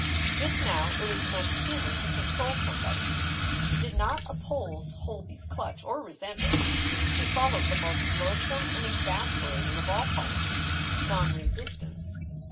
Just now it was Mem s humor to control somebody. She did not oppose Holby s clutch or resent it. She followed the SOULS FOR SALE 331 most loathsome and exasperating of all policies, nonre sistance.